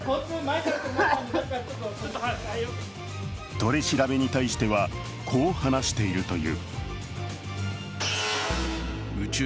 取り調べに対してはこう話しているという。